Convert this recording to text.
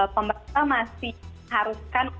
pemerintah masih haruskan